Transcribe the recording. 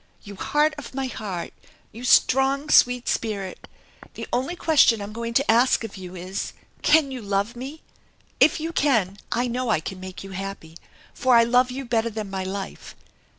You heart of my heart! You strong, sweet spirit! The only question I'm going to ask of you is, Can you love me? If you can, I know I can make you happy, for I love you better than my life.